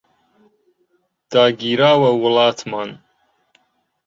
داگیراوە وڵاتمان